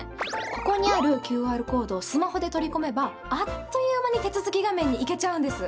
ここにあるＱＲコードをスマホで取り込めばあっという間に手続き画面に行けちゃうんです。